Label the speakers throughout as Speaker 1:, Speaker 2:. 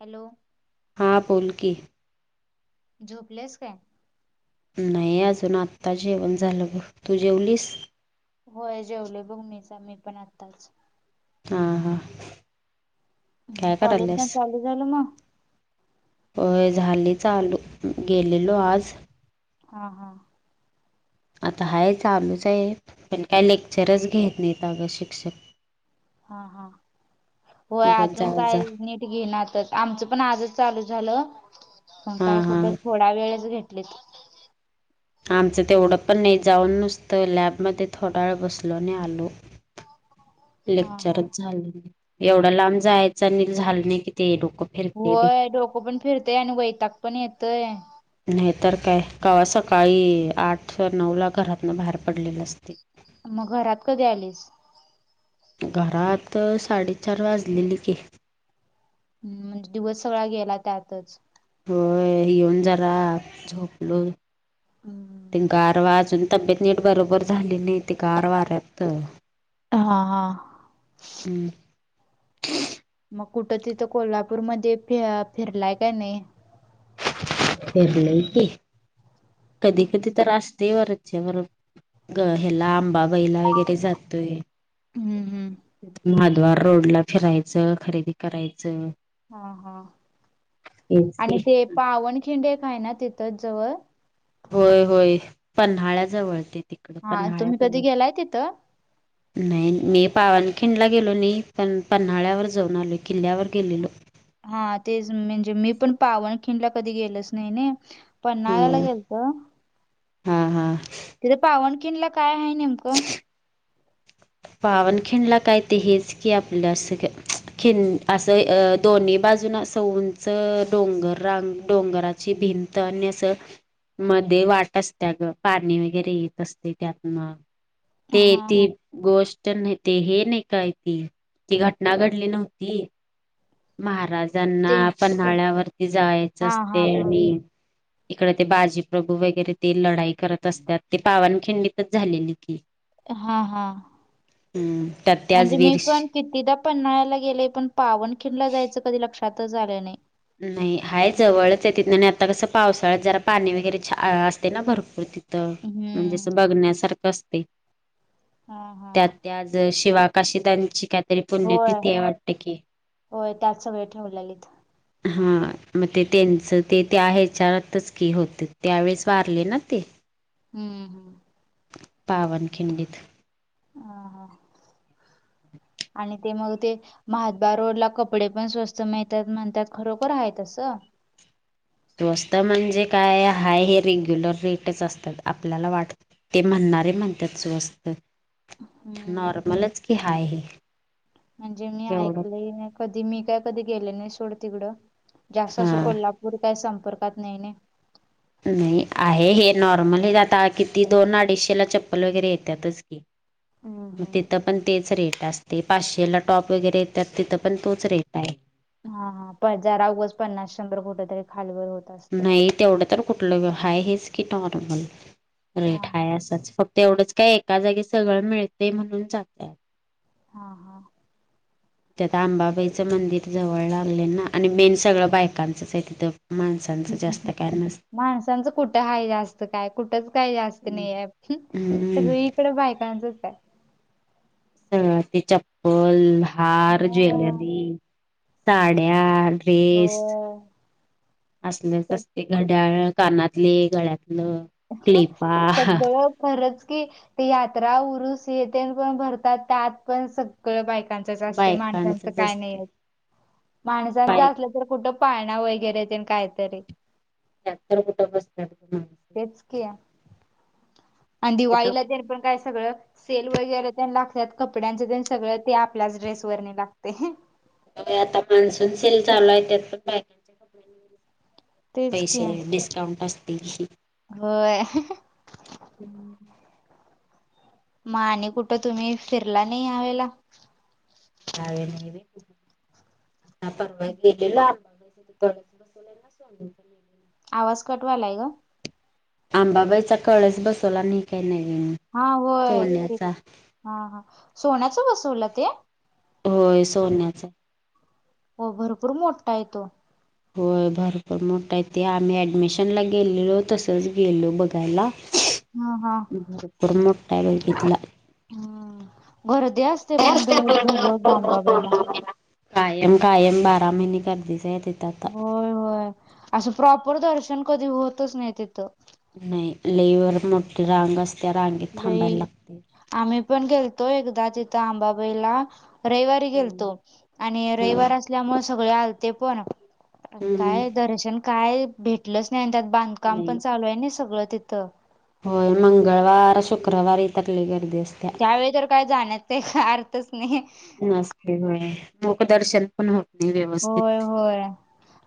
Speaker 1: Hello!
Speaker 2: हां बोलकी
Speaker 1: झोपल्यास काय?
Speaker 2: नाही अजून आत्ता जेवण झालं ब तू जेवलीस?
Speaker 1: होय जेवलोय बघ मीच मी पण आत्ताच
Speaker 2: हा हा काय
Speaker 1: कॉलेज पण
Speaker 2: कराल्यास?
Speaker 1: चालू झालं मग?
Speaker 2: होय झाली चालू गेलेलो आज
Speaker 1: हा हा
Speaker 2: आता हाय चालूच आहे पण काय लेक्चरच घेत नाहीत अगं शिक्षक
Speaker 1: हा हा होय
Speaker 2: उगाच जा
Speaker 1: अजून
Speaker 2: जा
Speaker 1: कायच नीट घिनातच आमच पण आजच चालू झालं पण काय
Speaker 2: हां हां
Speaker 1: खुपच त्यावेळेस घेटलीत
Speaker 2: आमचं तेवढं पण नाही जाऊन नुसतं लॅबमध्ये थोडा वेळ बसलो आणि आलो
Speaker 1: हा हा
Speaker 2: लेक्चरच झालं नाही एवढ्या लांब जायचं आणि झालं नाही कि ते डोक
Speaker 1: होय डोकं पण फिरतय आणि वैताग पण येतोय
Speaker 2: नाही तर काय कवा सकाळी आठ नऊ ला घरातन बाहेर पडलेलो असतेय
Speaker 1: मग घरात कधी आलीस
Speaker 2: घरात साडेचार वाजलेली कि
Speaker 1: म्हणजे दिवस सगळा गेला त्यातच
Speaker 2: होय येऊन जरा झोपलो
Speaker 1: हम्म
Speaker 2: ते गारवा आजून तब्येत नीट बरोबर झालेली ती गार वाऱ्यात
Speaker 1: हा हा
Speaker 2: हम
Speaker 1: मग कुठं तिथ कोल्हापूरमध्ये फि फिरलाय काय नाही?
Speaker 2: फिरलोय की कधी कधी तर
Speaker 1: हम्म
Speaker 2: आसतय वरचेवर ग हेला अंबाबाई ला वगैरे जातोय
Speaker 1: हम्म
Speaker 2: महाद्वारोडला फिरायचं खरेदी करायचं
Speaker 1: हा हा
Speaker 2: हेच की
Speaker 1: आणि ते पावनखिंड एक हाय ना तिथंच जवळ
Speaker 2: होय होय पन्हाळ्याजवळ ते ति
Speaker 1: हा तुम्ही कधी गेलाय तिथं?
Speaker 2: नाही नाही मी पावनखिंडला गेलो नाही पण पन्हाळ्यावर जाऊन आलोय किल्ल्यावर गेलेलो.
Speaker 1: हा तेच म्हणजे मी पण पावनखिंडला कधी गेलोच नाही ने पन्हाळ्याला
Speaker 2: हम्म
Speaker 1: गेलतो
Speaker 2: हा हा
Speaker 1: तिथे पावनखिंडला काय आहे नेमकं
Speaker 2: पावनखिंडला काय ते हेच की आपलं असं काय खिंड असं अ दोन्ही बाजून अस उंच डोंगर रांग डोंगरा ची भिंत आणि असं मध्ये वाट असत्या ग पाणी वगैरे येत असतेय त्यातन
Speaker 1: हा
Speaker 2: ते ती
Speaker 1: हा
Speaker 2: गोष्ट नाही ते हे नाही काय ती ती घटना घडली नव्हती
Speaker 1: ते
Speaker 2: महाराजांना पन्हाळ्यावरती जायचं
Speaker 1: हा
Speaker 2: असते
Speaker 1: हा हा
Speaker 2: आणि इकडे ते बाजी प्रभू वगैरे ते लढाई करत असत्यात ते पावनखिंडीतच झालेली की
Speaker 1: हा हा
Speaker 2: हम् त्यात त्याच
Speaker 1: म्हणजे मी
Speaker 2: वीर
Speaker 1: पण कितीदा पन्हाळ्याला गेलोय पण पावनखिंडला जायचं कधी लक्षातच आलं नाही.
Speaker 2: नाही हाय जवळच आहे तिथ आणि आता कस पावसाळ्यात जरा पाणी वगैरे छा असते ना भरपूर तिथ तिथ म्हणजे
Speaker 1: हम्म
Speaker 2: अस बघण्यासारखं असतय.
Speaker 1: हा हा हा
Speaker 2: ते आज शिवाकाशीदांची काहीतरी
Speaker 1: होय
Speaker 2: पुण्यतिथी आहे वाटत की
Speaker 1: होय त्यात सगळ ठेवल्यालीत
Speaker 2: हा मग ते त्यांचं ते त्या ह्याच्यातच की होतीत त्यावेेळेस वारले ना ते
Speaker 1: हम्म हम्म
Speaker 2: पावनखिंडित
Speaker 1: हा हा हा आणि ते मग ते महाद्वारोडला कपडे पण स्वस्त मिळतात म्हणत्यात खरोखर आहे तसं
Speaker 2: स्वस्त म्हणजे काय हाय हे रेग्युलर रेटच असतात आपल्याला वाटत ते म्हणणारे म्हणत्यात स्वस्त
Speaker 1: हम्म
Speaker 2: नॉर्मलच की हाय हे
Speaker 1: म्हणजे मी
Speaker 2: एवढं
Speaker 1: ऐकलय कधी मी काय कधी गेले नाही सोड तिकड जास्त असं
Speaker 2: हा
Speaker 1: कोल्हापूर पूर काय संपर्कात नाही ने
Speaker 2: नाही आहे हे नॉर्मल हे आता किती दोन आडीशे ला चप्पल वगैरे येतातच
Speaker 1: हम्म
Speaker 2: मग
Speaker 1: हम्म
Speaker 2: तिथं पण तेच रेट असत ते पाचशेला टॉप वगैरे येतात तिथं पण तोच रेट आहे.
Speaker 1: हा हा जरा उगच पन्नास शंभर कुठ तरी खाली वर होत. असते
Speaker 2: नाही तेवढं तर कुठलं हाय हेच की नॉर्मल.
Speaker 1: हा
Speaker 2: रेट हाय
Speaker 1: हा
Speaker 2: असच फक्त एवढंच काय एका जागी सगळं मिळते म्हणून चांगलंय.
Speaker 1: हा हा
Speaker 2: तथ आंबाबाईचं मंदिर जवळ लागलं ना आणि मेन सगळं बायकांचंच आहे तिथं माणसं. जास्त काय
Speaker 1: माणसांचं कुठं हा जास्त काय कुठच काही जास्त नाहीये सगळी
Speaker 2: हम्म.
Speaker 1: सगळीकडे बायकांचंच आहे.
Speaker 2: ह ते चप्पल हार ज्वेलरी साड्या. ड्रेस
Speaker 1: हो
Speaker 2: असलेच असते घड्याळ. कानातले गळ्यातलं. क्लिपा
Speaker 1: सगळं. खरंच की यात्रा उरुस येत पण भरतात त्यात पण सग बायकांचच असते माणसांच
Speaker 2: बायकांचच
Speaker 1: काय
Speaker 2: असते
Speaker 1: नाही माणसांच
Speaker 2: बाय
Speaker 1: असलं कुठं पाळणा वगैरे ते कायतरी.
Speaker 2: ह गप
Speaker 1: तेच क आणि दिवाळीला ते पण काय सगळं सेल वगैरे ते लागतात कपड्यांचं सगळं ते आपल्याच ड्रेस वरने लागते.
Speaker 2: हो आता मान्सून सेल चालू आहे त्यात पण बाय का
Speaker 1: तेच
Speaker 2: पैसे डिस्काउंट असतील.
Speaker 1: हो
Speaker 2: हम्म
Speaker 1: मग आणि कुठं तुम्ही फिरला नाही यावेळेला
Speaker 2: त्या नाही आता परवा गेलेला आंबाबा कज बसवले ना सोून
Speaker 1: आवाज कटवायलाय ग
Speaker 2: आंबाबाईचा कळेस बसवला नाही काय नवीन.
Speaker 1: हा होय ते
Speaker 2: सोन्याचा
Speaker 1: हा हा सोन्याचं बसवलं ते.
Speaker 2: होय सोन्याच आहे.
Speaker 1: हो भरपूर मोठा आहे तो
Speaker 2: होय भरपूर मोठा आहे ते आम्ही ऍडमिशन ला गेलेलो तसच गेलो बघायला.
Speaker 1: हा हा
Speaker 2: भरपूर मोठा लोकितला
Speaker 1: हम गर्दी असते पण द दररोज आंबाबाईला
Speaker 2: कायम कायम बारा महिने गर्दीचे आहेतेत आता
Speaker 1: होय होय असं प्रॉपर दर्शन कधी होतच नाही तिथं
Speaker 2: नाही लेई ववर मोठी रांग असते रांगेत थांबायला
Speaker 1: लई
Speaker 2: लागते
Speaker 1: आम्ही पण गेलतो एकदा तिथं आंबाबाईला रविवारी गेलतो आणि रविवार असल्यामुळे सगळे आलते पण
Speaker 2: हम्म
Speaker 1: काय दर्शन काय भेट कटलंच नाही आणि त्यात बांधकाम
Speaker 2: नाही
Speaker 1: पण चालू आहे ना सगळं तिथं‌
Speaker 2: होय मंगळवार शुक्रवार इतरली गर्दी असते
Speaker 1: त्यावेळी तर काय जाण्याचा अर्थच नाही
Speaker 2: नस्ते म्ह मक दर्शन पण होट र
Speaker 1: होय होय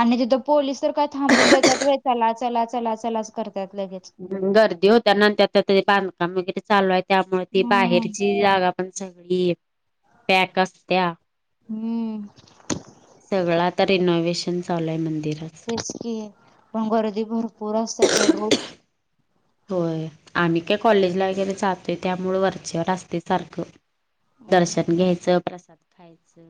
Speaker 1: आणि तिथं पोलीस तर काय थांबून देतात व चला चला चला चलाच करतात लगेच
Speaker 2: गर्दी होता नंतर आ बांधकाम वगैरे चालू आहे त्यामुळे ती
Speaker 1: हम्म
Speaker 2: बाहेर जागा पण सगळी पॅक असत्या
Speaker 1: हम्म
Speaker 2: सगळं आता रिनोव्हेशन चालय मंदिरात
Speaker 1: पण गर्दी भरपूर असतात दररोज.
Speaker 2: होय आम्ही काय कॉलेजला गेने ाततोय त्यामुळ वरचेवर असते सारखं.
Speaker 1: हम्म
Speaker 2: दर्शन घ्यायचं प्रसाद खायचं.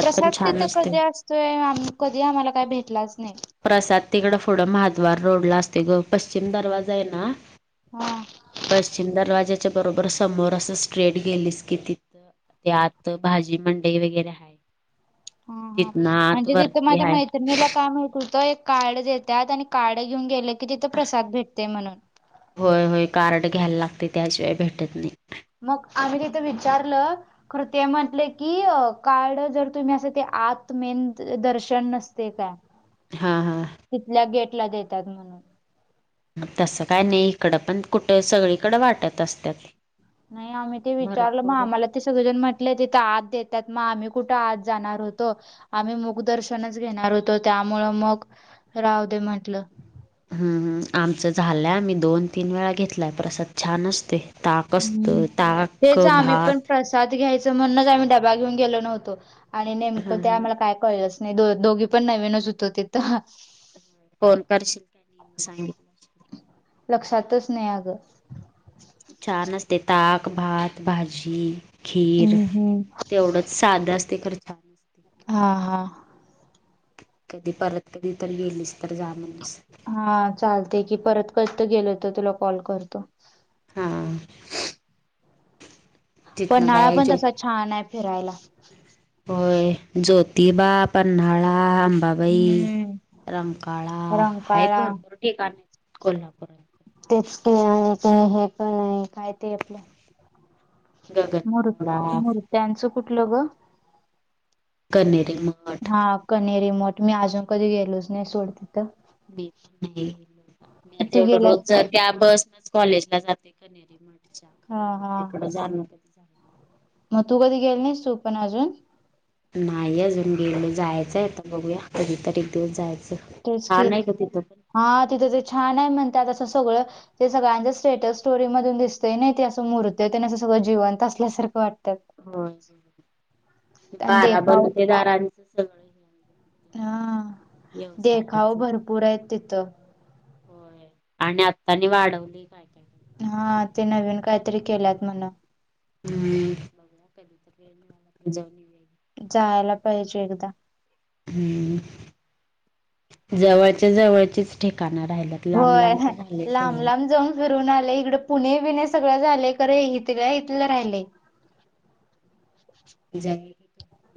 Speaker 1: प्रसाद तिथं कधी असतोय आम कधी आम्हाला काही भेटलाच नाही.
Speaker 2: प्रसाद तिकडं पुढं महाद्वार रोड ला असते ग पश्चिम दरवाजा आहे ना.
Speaker 1: हा
Speaker 2: पश्चिमद राजाच्या बरोबर समोर असं स्ट्रेट गेलीस की तिथं. ते आत भाजी मंडई वगैरे ह तिथ ना आत वरती ह.
Speaker 1: तर मीला काय माहिती होत एक कार्ड देतात आणि कार्ड घेऊन गेलं की तिथे प्रसाद भेटते म्हणून
Speaker 2: होय होय कार्ड घ्यायला लागते त्याशिय भेटत नाही.
Speaker 1: मग आम्ही तिथं विचारलं. कृती म्हटले की काळ जर तुम्ही असं ते आत मेंद दर्शन नसते काय? ह.
Speaker 2: हा हा.
Speaker 1: तिथल्या गेटला देतात म्हणून
Speaker 2: मग तसं काय नाही इकडं पण कुठं सगळीकडं वाटत असतात.
Speaker 1: नाही आम्ही ते विचारलं मग
Speaker 2: भरपूर
Speaker 1: आम्हाला ते सगळेजण म्हटले तिथे आत देतात मग आम्ही कुठं आत जाणार होतो. आम्ही मुग दर्शनच घेणार होतो त्यामुळं मग राह दे म्हटलं.
Speaker 2: हम् आमचं झालंय आम्ही दोन तीन वेळा घेतलाय पर अस छान असते. ताक अस असत ताक भात
Speaker 1: साथ घ्यायचं म्हणूनच आम्ही डबा घेऊ गेलो नव्हतो आणि नेमकं ते आम्हाला काय कळलंच. नाही दो दोघी पण नवीनच होत हो तथ.
Speaker 2: फन करशील काय सांगित.
Speaker 1: लक्षातच नाही अगं.
Speaker 2: छान असते ताक भात भाजी खीर
Speaker 1: हम्म हम्म
Speaker 2: तेवढंच साध असते खरं छान असते.
Speaker 1: हा हा.
Speaker 2: कधी परत कधी तर गेलीस तर जा म्हणूस
Speaker 1: हा चालते की परत कसत गेल तर तुला कॉल करतो.
Speaker 2: हा. तिथनं
Speaker 1: पन्हाळा
Speaker 2: काय
Speaker 1: पण
Speaker 2: जो
Speaker 1: तसा छान आहे फिरायला.
Speaker 2: होय ज्योतिबा पन्नाळाम बाबाई
Speaker 1: हम्म
Speaker 2: रमकाळा आहेत
Speaker 1: रंकाळा
Speaker 2: भरपूर ठिकाणे कोल्हापूरात
Speaker 1: तेच की आणि का हे पण आहे काय ते आपलं. मू
Speaker 2: गगनबावडा
Speaker 1: मूर्त्यांचं कुठलं ग.
Speaker 2: कनर.
Speaker 1: हा कने रिमोट मी अजून कधी गेलोच नाही सोड तिथं.
Speaker 2: मी पण नाही मी आता
Speaker 1: तू
Speaker 2: एवढ रोज
Speaker 1: गेलास का
Speaker 2: जर त्या बस. कॉलेजला जाते कनरी मठच्या
Speaker 1: हा
Speaker 2: खरं
Speaker 1: हा
Speaker 2: तिकड जाण कधी
Speaker 1: मग तू कधी गेल नाहीस तू पण अजून
Speaker 2: नाही अजून गेल जायचंय आता बघूया कधी तरी एक दिवस जायचं
Speaker 1: तेच की
Speaker 2: छान आहे ग तिथं पण
Speaker 1: हा तिथं ते छान आहे म्हणतात असं सगळं. ते सगळ्यांच स्टेटस स्टोरी मधून दिसतय नाही ते असं मूर्त ते असं सगळं जिवंत असल्यासारखं वाटतं.
Speaker 2: हो
Speaker 1: आणि
Speaker 2: बारा
Speaker 1: देखाव
Speaker 2: पण ते दारांचं सगळं.
Speaker 1: हा देखाव
Speaker 2: व्यवसायाच
Speaker 1: भरपूर आहेत तिथं.
Speaker 2: होय आणि आत्तानी वाढवली का?
Speaker 1: हा ते नवीन काहीतरी केल्यात म्हण.
Speaker 2: हम् बघा कधी तर वेळ मला ब जााणी वेग
Speaker 1: जायला पाहिजे एकदा.
Speaker 2: हम्म जवळच्या जवळचेच ठिकाण राहिल्या.
Speaker 1: होय लांब लांब जमु करून आले इकड पुणे बिणे सगळं झालंय खरे इथल्या इथलं राहिलेय.
Speaker 2: जायेच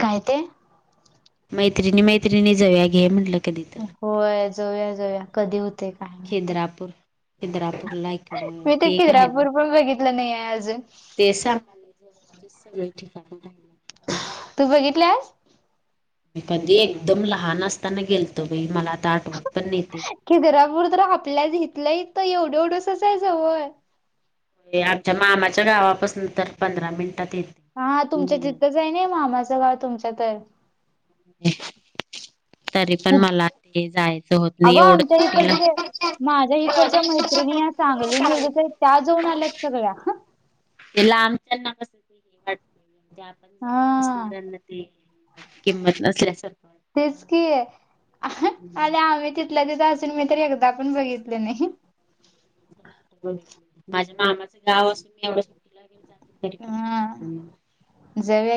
Speaker 1: काय ते?
Speaker 2: मैत्रिणी मैत्रिणी जाऊया की म्हटलं कधी तर
Speaker 1: होय जाऊया जाऊया कधी होतय काय माहिती
Speaker 2: खिद्रापूर खिद्रापूरला इकडं
Speaker 1: मी त
Speaker 2: ते एक
Speaker 1: किरापूर पण बघितलं नाहीये अजून
Speaker 2: तेच सांगलंय जवळचे सगळे ठिकाण रायले.
Speaker 1: तू बघितलास
Speaker 2: मी कधी एकदम लहान असताना गेलतो बाई मला आता आठवत पण नाय ते.
Speaker 1: किद्रापूर तर आपल्याच इथल्या इथलं ते एवढं एवढं सच हाय जवळ
Speaker 2: म हे आमच्या मामाच्या गावापासन तर पंधरा मिनिटात येईल.
Speaker 1: हा तुमच्या तिथंच आहे ना मामाचं गाव तुमच्या तर
Speaker 2: [unintelligible] तरी पण मला ते जायचं होत नाय
Speaker 1: अगं आमच्या
Speaker 2: एवढं
Speaker 1: इकडचे
Speaker 2: [unintelligible]
Speaker 1: माझ्या इकडच्या मैत्रिणी या चांगली मिरजत त्या जाऊन आल्यात सगळ्या
Speaker 2: ते लांबच्यांना कस हे वाटत म्हणजे आपण जवळ
Speaker 1: हा
Speaker 2: असणाऱ्यांना ते किंमत नसल्यासारखं
Speaker 1: तेच की आणि
Speaker 2: वाटतं.
Speaker 1: आम्ही तिथल्या तिथं असून मी तरी एकदा पण बघितलं नाही.
Speaker 2: बोल एक मिनिट माझ्या मामाचं गाव असून मी एवढ्या सुट्टीला वगैर जाते तरी पण नाय [unintelligible]
Speaker 1: जाऊ या